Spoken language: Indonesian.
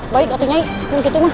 baik atu nyi mungkin tuh mah